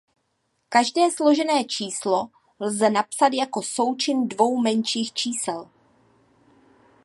Každé složené číslo lze napsat jako součin dvou menších čísel.